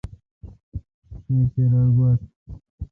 می کیر ار گوا تھ۔